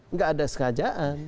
nggak ada sengajaan